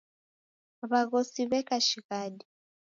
W'aghosi w'eka shighadi.